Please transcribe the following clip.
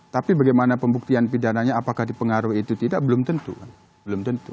tapi bagaimana pembuktian pidananya apakah dipengaruhi itu tidak belum tentu